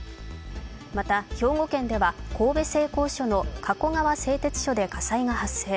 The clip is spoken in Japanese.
また兵庫県では神戸製鋼所の加古川製鉄所で火災が発生。